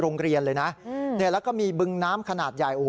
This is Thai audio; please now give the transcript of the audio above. โรงเรียนเลยนะแล้วก็มีบึงน้ำขนาดใหญ่